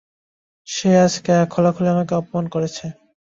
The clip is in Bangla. সে আজ খোলাখুলি আমাকে অপমান করেছে।